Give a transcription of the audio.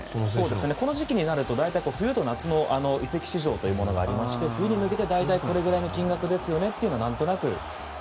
この時期になると冬と夏の移籍市場がありまして冬に向けて大体これくらいの金額ですよねと何となく。